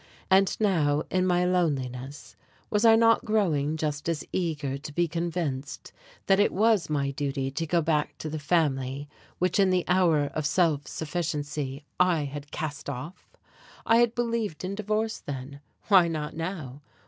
And now, in my loneliness, was I not growing just as eager to be convinced that it was my duty to go back to the family which in the hour of self sufficiency I had cast off? I had believed in divorce then why not now?